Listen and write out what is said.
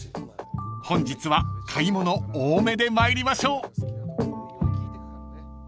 ［本日は買い物多めで参りましょう］